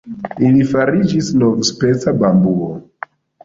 Ili fariĝis novspeca bambuo.